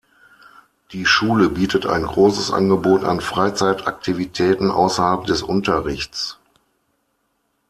Die Schule bietet ein großes Angebot an Freizeitaktivitäten außerhalb des Unterrichts.